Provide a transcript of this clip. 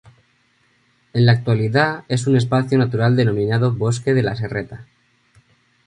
En la actualidad es un espacio natural denominado Bosque de La Serreta.